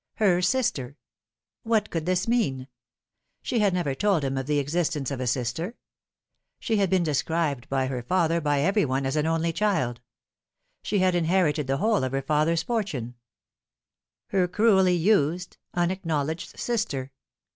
Her sister ! What could this mean ? She had never told him of the existence of a sister. She had been described by her father, by every one, The Sins of the Father . 147 as an only child. She had inherited the whole of her father's fortune. " Her cruelly used, unacknowledged sister."